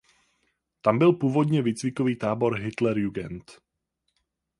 Tam byl původně výcvikový tábor Hitlerjugend.